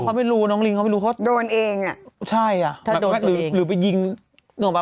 นั่นมันสูงปืน